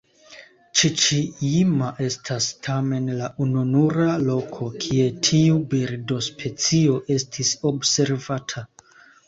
Ĉiĉi-jima estas tamen la ununura loko kie tiu birdospecio estis observata.